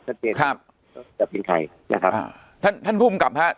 ชัดเจนจากพิธีไทยนะครับคั่นภูมิกลับครับ